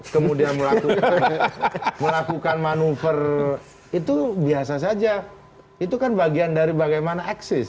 kemudian melakukan manuver itu biasa saja itu kan bagian dari bagaimana eksis